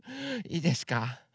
いいですか？